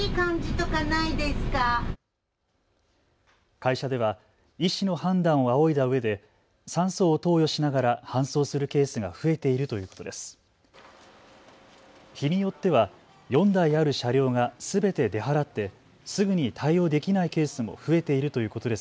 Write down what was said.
会社では医師の判断を仰いだうえで酸素を投与しながら搬送するケースが増えているということです。